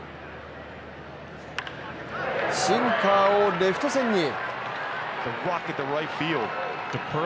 シンカーをレフト線に。